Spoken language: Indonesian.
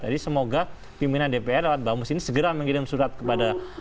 jadi semoga pimpinan dpr alat bamus ini segera mengirim surat kepada bamus